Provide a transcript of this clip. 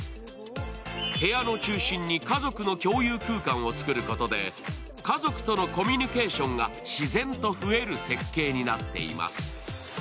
部屋の中心に家族の共有空間を作ることで家族とのコミュニケーションが自然と増える設計になっています。